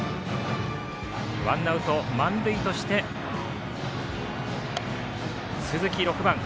ワンアウト、満塁として鈴木６番。